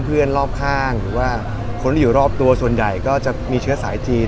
เพื่อนรอบคร่างหรือคนที่อยู่รอบตัวส่วนใหญ่ก็จะมีเชื้อสายจีน